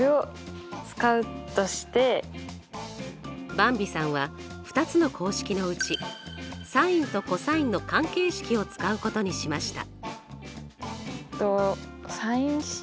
ばんびさんは２つの公式のうちｓｉｎとｃｏｓの関係式を使うことにしました。